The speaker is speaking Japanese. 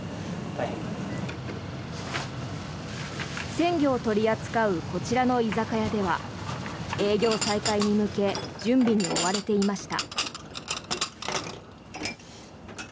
鮮魚を取り扱うこちらの居酒屋では営業再開に向け準備に追われていました。